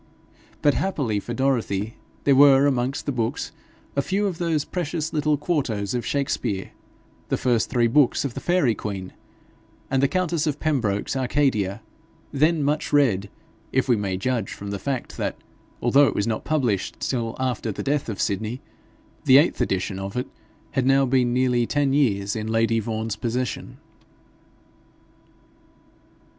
But happily for Dorothy, there were amongst the books a few of those precious little quartos of Shakspere, the first three books of the Faerie Queene, and the Countess of Pembroke's Arcadia, then much read, if we may judge from the fact that, although it was not published till after the death of Sidney, the eighth edition of it had now been nearly ten years in lady Vaughan's possession.